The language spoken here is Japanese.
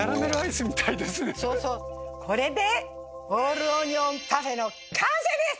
これでオールオニオンパフェの完成です！